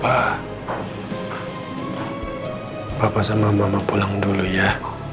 papa papa sama mama pulang dulu ya